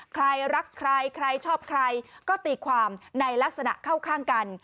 ใครรักใครใครชอบใครก็ตีความในลักษณะเข้าข้างกัน